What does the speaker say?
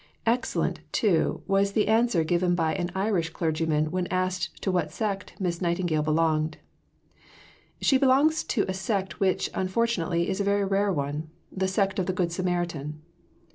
Excellent, too, was the answer given by an Irish clergyman when asked to what sect Miss Nightingale belonged. "She belongs to a sect which, unfortunately, is a very rare one the sect of the Good Samaritan."